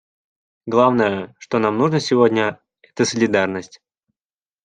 Главное, что нам нужно сегодня, это солидарность.